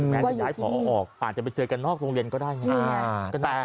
จะย้ายผอออกอาจจะไปเจอกันนอกโรงเรียนก็ได้ไง